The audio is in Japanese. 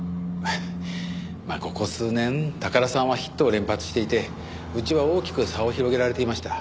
まあここ数年宝さんはヒットを連発していてうちは大きく差を広げられていました。